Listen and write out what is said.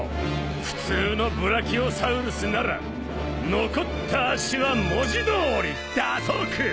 普通のブラキオサウルスなら残った足は文字通り蛇足！